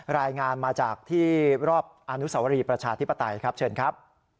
รายงานมาจากที่รอบอนุสวรีประชาธิปไตยครับเชิญครับ